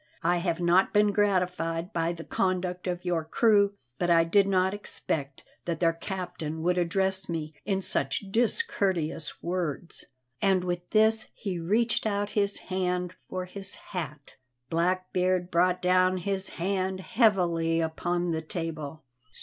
I have not been gratified by the conduct of your crew, but I did not expect that their captain would address me in such discourteous words." And with this he reached out his hand for his hat. Blackbeard brought down his hand heavily upon the table.